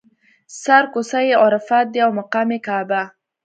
سر کوڅه یې عرفات دی او مقام یې کعبه.